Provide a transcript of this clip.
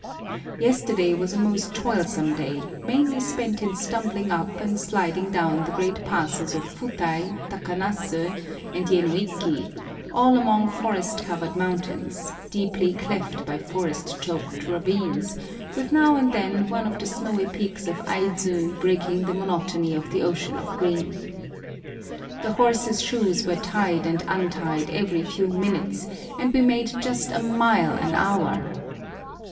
Yesterday was a most toilsome day, mainly spent in stumbling up and sliding down the great passes of Futai, Takanasu, and Yenoiki, all among forest covered mountains, deeply cleft by forest choked ravines, with now and then one of the snowy peaks of Aidzu breaking the monotony of the ocean of green. The horses' shoes were tied and untied every few minutes, and we made just a mile an hour!